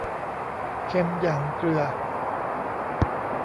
เค็มอย่างเกลือ